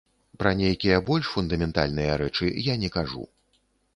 Пра нейкія больш фундаментальныя рэчы я не кажу.